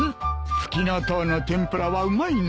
フキノトウの天ぷらはうまいな。